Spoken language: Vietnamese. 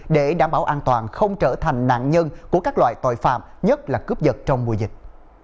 để đảm bảo an toàn không trở thành nạn nhân của các loại tội phạm nhất là cướp giật trong mùa dịch